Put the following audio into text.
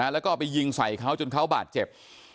แล้วก็ไปยิงใส่เขาจนเขาบาดเจ็บ